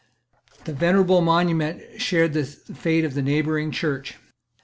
This venerable monument shared the fate of the neighbouring church.